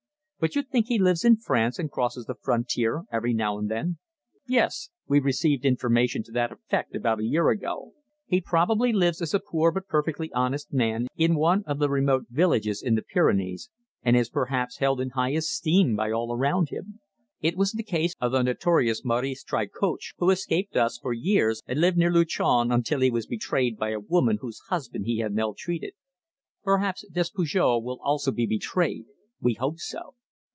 "But you think he lives in France and crosses the frontier every now and then." "Yes. We received information to that effect about a year ago. He probably lives as a poor, but perfectly honest man in one of the remote villages in the Pyrenees, and is perhaps held in high esteem by all around him. It was the case of the notorious Maurice Tricoche who escaped us for years and lived near Luchon until he was betrayed by a woman whose husband he had maltreated. Perhaps Despujol will also be betrayed. We hope so!"